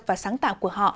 và sáng tạo của họ